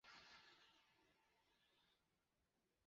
大家熟悉木质锥锥孔产生种子。